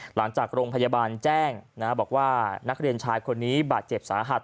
หลังจากโรงพยาบาลแจ้งบอกว่านักเรียนชายคนนี้บาดเจ็บสาหัส